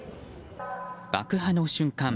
爆破の瞬間